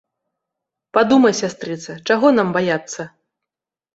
Падумай, сястрыца, чаго нам баяцца?